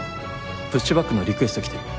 プッシュバックのリクエスト来てる。